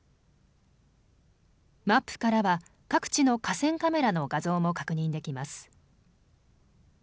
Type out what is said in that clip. マップからは各地の河川カメラの画像も確認できます。